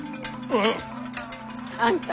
え。あんた。